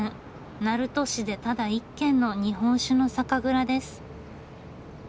鳴門市でただ一軒の日本酒の酒蔵です。